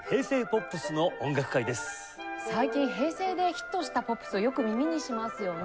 最近平成でヒットしたポップスをよく耳にしますよね。